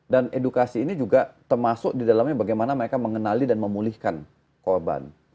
dan edukasi ini juga termasuk di dalamnya bagaimana mereka mengenali dan memulihkan korban